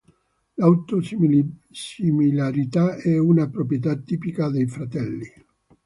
L'auto-similarità è una proprietà tipica dei frattali.